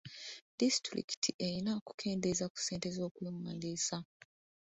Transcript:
Disitulikiti erina okukendeeza ku ssente z'okwewandiisa.